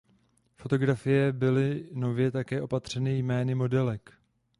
Fotografie byly nově také opatřeny jmény modelek.